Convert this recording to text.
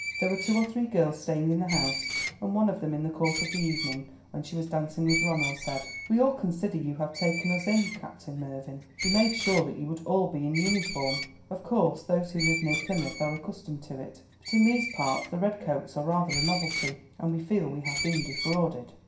There were two or three girls staying in the house, and one of them in the course of the evening, when she was dancing with Ronald, said: "We all consider you have taken us in, Captain Mervyn. We made sure that you would all be in uniform. Of course those who live near Plymouth are accustomed to it, but in these parts the red coats are rather a novelty, and we feel we have been defrauded."